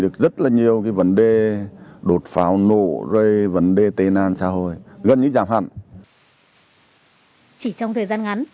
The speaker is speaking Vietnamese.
chỉ trong thời gian ngắn